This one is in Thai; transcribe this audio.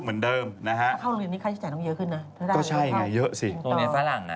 ก็ไม่ได้บอกเขาต้องให้หรือไม่ให้